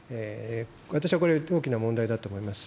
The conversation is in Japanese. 私はこれ、大きな問題だと思います。